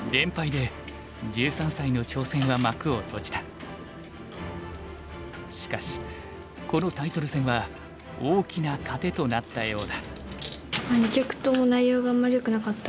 連敗でしかしこのタイトル戦は大きな糧となったようだ。